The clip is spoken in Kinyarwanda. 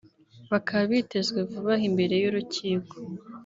bakaba bitezwe vuba aha imbere y’urukiko